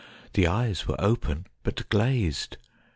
The eyes were open, but glazed.